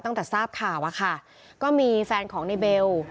ตั้งแต่ทราบข่าวอะค่ะก็มีแฟนของในเบล